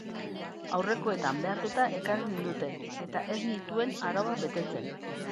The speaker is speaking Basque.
Aurrekoetan behartuta ekarri ninduten eta ez nituen arauak betetzen.